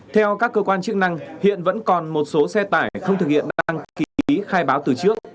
theo các cơ quan chức năng hiện vẫn còn một số xe tải không thực hiện đăng ký khai báo từ trước